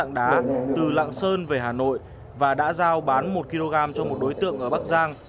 đạn đá từ lạng sơn về hà nội và đã giao bán một kg cho một đối tượng ở bắc giang